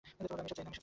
আমি এসব চাইনা।